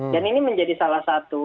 ini menjadi salah satu